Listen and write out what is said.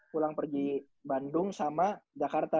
pulang pergi bandung sama jakarta